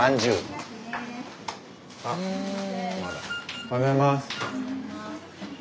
おはようございます。